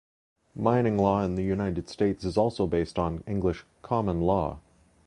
Mining law in the United States is also based on English "common law".